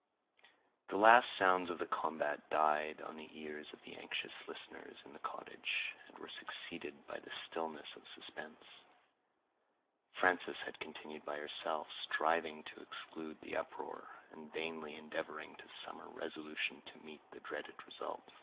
The last sounds of the combat died on the ears of the anxious listeners in the cottage, and were succeeded by the stillness of suspense. Frances had continued by herself, striving to exclude the uproar, and vainly endeavoring to summon resolution to meet the dreaded result.